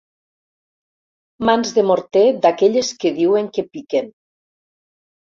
Mans de morter d'aquelles que diuen que piquen.